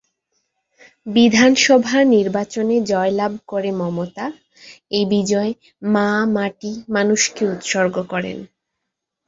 বিধানসভা নির্বাচনে জয়লাভ করে মমতা এই বিজয় "মা মাটি মানুষ"কে উৎসর্গ করেন।